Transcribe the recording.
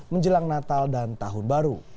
menjelang natal dan tahun baru